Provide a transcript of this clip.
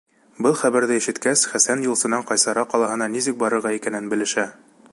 Был хәбәрҙе ишеткәс, Хәсән юлсынан Ҡайсара ҡалаһына нисек барырға икәнен белешә.